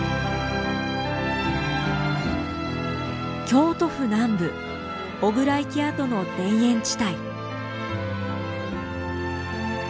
京都府南部巨椋池跡の田園地帯。